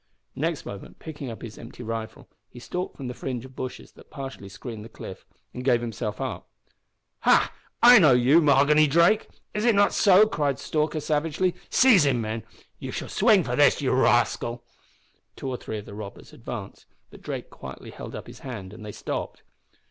Next moment, picking up his empty rifle, he stalked from the fringe of bushes that partially screened the cliff, and gave himself up. "Ha! I know you Mahoghany Drake! Is it not so?" cried Stalker, savagely. "Seize him, men. You shall swing for this, you rascal." Two or three of the robbers advanced, but Drake quietly held up his hand, and they stopped.